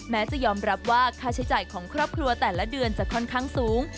จะยอมรับว่าค่าใช้จ่ายของครอบครัวแต่ละเดือนจะค่อนข้างสูง